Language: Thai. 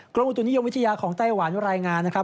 อุตุนิยมวิทยาของไต้หวันรายงานนะครับ